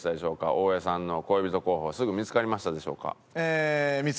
大江さんの恋人候補はすぐ見付かりましたでしょうか？